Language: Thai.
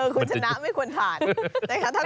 คุณชนะไม่ควรทานถ้าคุณคิดได้แค่นี้